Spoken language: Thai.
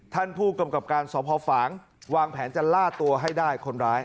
ท่านผู้กำกับการสพฝางวางแผนจะล่าตัวให้ได้คนร้าย